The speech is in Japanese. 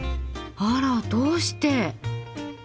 あらどうして？